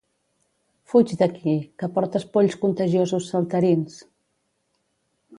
Fuig d'aquí, que portes polls contagiosos saltarins!